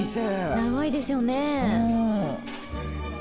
長いですよね。